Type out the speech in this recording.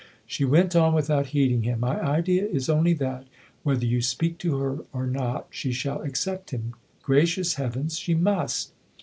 She went on without heeding him. " My idea is only that, whether you speak to her or not, she shall accept him. Gracious heavens, she must!